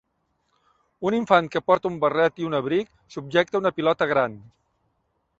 Un infant que porta un barret i un abric subjecta una pilota gran.